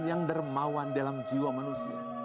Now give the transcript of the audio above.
yang dermawan dalam jiwa manusia